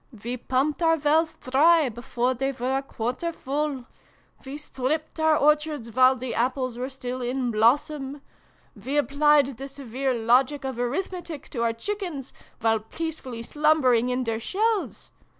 We pumped our wells dry before they were a quarter full we stripped our orchards while the apples were still in blossom we applied the severe logic of arithmetic to our chickens, while peacefully slumbering in their shells